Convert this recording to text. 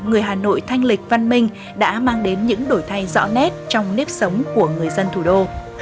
người hà nội thanh lịch văn minh đã mang đến những đổi thay rõ nét trong nếp sống của người dân thủ đô